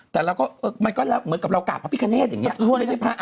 แต่มันก็เหมือนกับเรากลับมาพิการเนทอย่างนี้